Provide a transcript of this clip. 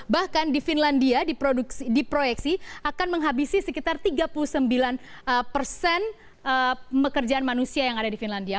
bahkan di finlandia diproyeksi akan menghabisi sekitar tiga puluh sembilan persen pekerjaan manusia yang ada di finlandia